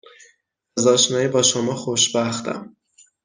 از آشنایی با شما خوشبختم